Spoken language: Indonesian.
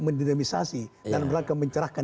mendinamisasi dan melangkah mencerahkan